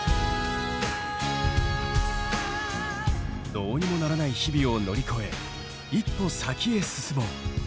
どうにもならない日々を乗り越え一歩先へ進もう。